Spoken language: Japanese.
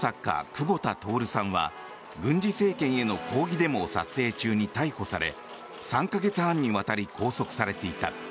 久保田徹さんは軍事政権への抗議デモを撮影中に逮捕され３か月半にわたり拘束されていた。